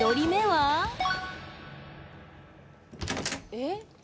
えっ？